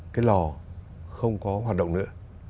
cái lò không có hoạt động nữa